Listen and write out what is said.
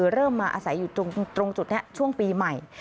เริ่มมาอาศัยอยู่ตรงจุดนี้ช่วงปีใหม่